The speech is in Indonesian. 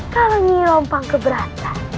kalau ini rompang keberatan